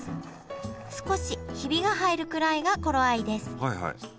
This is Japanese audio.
少しヒビが入るくらいが頃合いです。